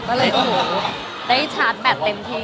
ก็เลยถูกได้ชาร์จแบตเต็มที่เลย